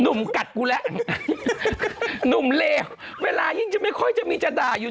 หนุ่มกัดกูแล้วหนุ่มเลวเวลายิ่งจะไม่ค่อยจะมีจะด่าอยู่